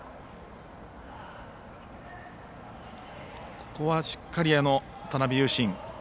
ここはしっかり渡邊勇伸